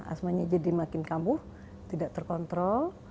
asmanya jadi makin kambuh tidak terkontrol